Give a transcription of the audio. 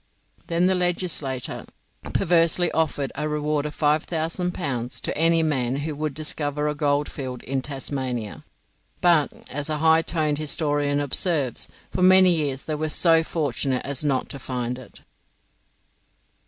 Then the Legislature perversely offered a reward of five thousand pounds to any man who would discover a gold field in Tasmania, but, as a high toned historian observes, "for many years they were so fortunate as not to find it."